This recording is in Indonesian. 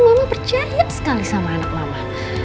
mama percaya sekali sama anak mama